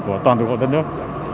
của toàn thủ cộng đất nước